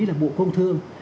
là bộ công thương